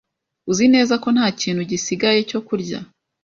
Uzi neza ko nta kintu gisigaye cyo kurya?